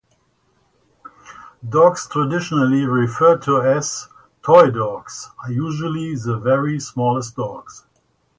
Dogs traditionally referred to as "toy dogs" are usually the very smallest dogs.